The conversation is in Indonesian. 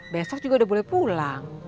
besok juga udah boleh pulang